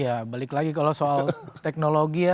ya balik lagi kalau soal teknologi ya